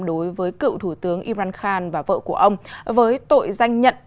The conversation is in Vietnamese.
đối với cựu thủ tướng iran khan và vợ của ông với tội danh nhận